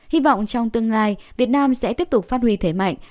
hy vọng trong tương lai việt nam sẽ tiếp tục phát huy thế mạnh